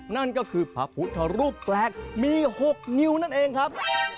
นั่นก็คือพระพุทธรูปแปลกมี๖นิ้วนั่นเองครับ